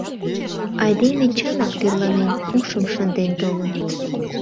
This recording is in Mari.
Айдеме чынак тӧрланен, ушым шынден толын.